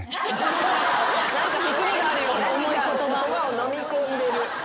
何か言葉をのみ込んでる。